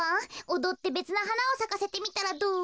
おどってべつなはなをさかせてみたらどう？